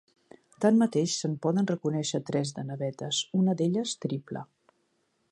Tanmateix se'n poden reconèixer tres de navetes, una d'elles triple.